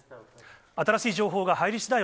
新しい情報が入りしだい